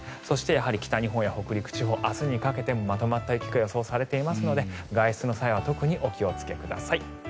そして、やはり北日本や北陸地方明日にかけてもまとまった雪が予想されていますので外出の際は特にお気をつけください。